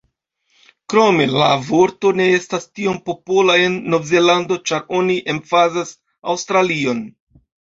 Krome la vorto ne estas tiom popola en Novzelando ĉar oni emfazas Aŭstralion.